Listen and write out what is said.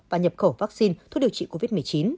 và nhập khẩu vaccine thuốc điều trị covid một mươi chín